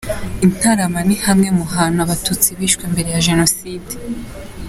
I Ntarama ni hamwe mu hantu Abatutsi bishwe mbere ya Jenoside.